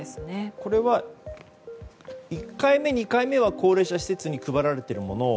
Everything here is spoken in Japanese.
これは１回目、２回目は高齢者施設に配られているもの。